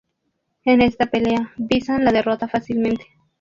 En esta pelea, Bison la derrota fácilmente.